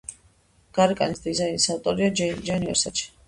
გარეკანის დიზაინის ავტორია ჯანი ვერსაჩე.